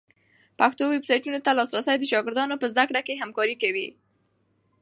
پښتو ویبسایټونو ته لاسرسی د شاګردانو په زده کړه کي همکاری کوي.